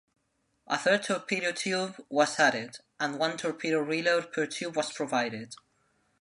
A third torpedo tube was added, and one torpedo reload per tube was provided.